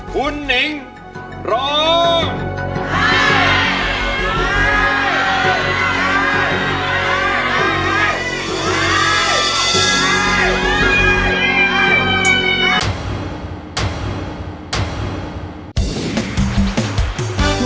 คุณหนิงร้อง